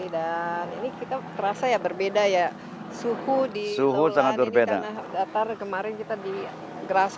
dan ini kita perasa ya berbeda ya suhu di suhu sangat berbeda datar kemarin kita di grass